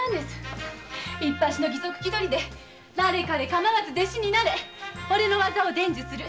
いっぱしの義賊きどりでだれかれかまわず弟子になれおれの技を伝授する。